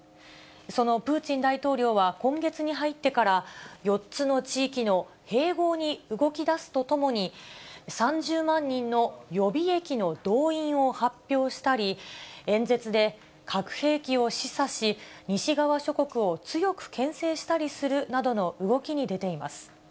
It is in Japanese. そのプーチン大統領は、今月に入ってから、４つの地域の併合に動きだすとともに、３０万人の予備役の動員を発表したり、演説で核兵器を示唆し、西側諸国を強くけん制したりするなどの動きに出ています。